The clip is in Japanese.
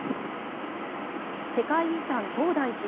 世界遺産・東大寺。